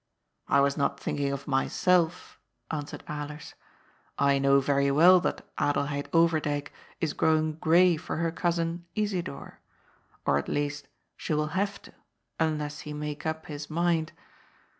" I was not thinking of myself," answered Alers. " I know yery well that Adelheid Oyerdyk is growing gray for her cousin Isidor. Or, at least, she will haye to, unless he make up his mind.